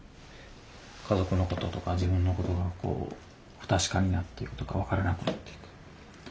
家族のこととか自分のことがこう不確かになっていくというか分からなくなっていく。